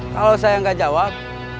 kalau saya gak jawab